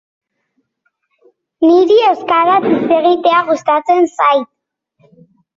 Estresa inguruko eskaerengatik edo eskaera horien gehiegizko interpretazioagatik sortu daiteke.